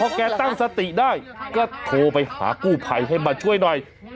แล้วพอแกตั้งสติได้ก็โทรไปหากลูไพ้ให้มาช่วยหน่อย